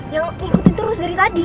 yang ikutin terus dari tadi